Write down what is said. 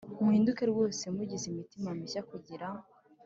Muhinduke rwose mugize imitima mishya kugira